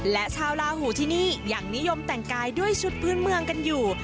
และชาวลาหูที่นี่ยังนิยมแต่งกายด้วยชุดพื้นเมืองกันอยู่